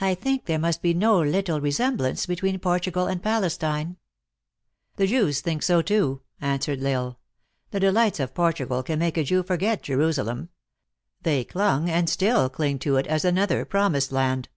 I think there must be no little resemblance between Portugal and Palestine." "The Jews think so too," answered L Isle. "The delights of Portugal can make a Jew forget Jerusa lem. They clung, and still cling to it, as another promised land.